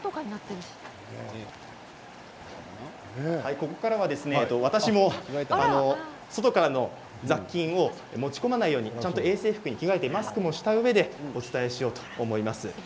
ここからは私も外からの雑菌を持ち込まないように衛生服に着替えてマスクもしたうえでお伝えしようと思います。